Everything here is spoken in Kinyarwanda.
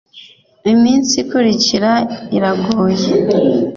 Iminsi ikurikira iragoye.